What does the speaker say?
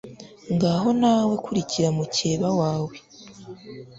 ngaho nawe kurikira mukeba wawe